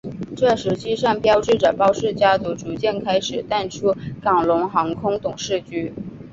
这实际上标志着包氏家族逐渐开始淡出港龙航空董事局。